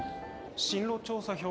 進路調査票？